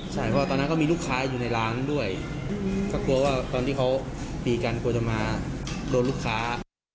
ใช่เพราะตอนนั้นก็มีลูกค้าอยู่ในร้านด้วยก็กลัวว่าตอนที่เขาตีกันกลัวจะมาโดนลูกค้า